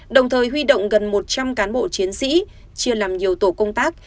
đồng thời huy động gần một trăm linh cán bộ chiến sĩ chia làm nhiều tổ công tác